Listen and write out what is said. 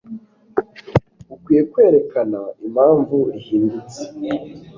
ukwiye kwerekana impamvu rihindutse